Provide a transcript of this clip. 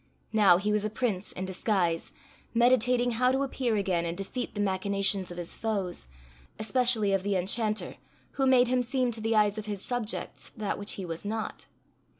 Now he was a prince in disguise, meditating how to appear again and defeat the machinations of his foes, especially of the enchanter who made him seem to the eyes of his subjects that which he was not.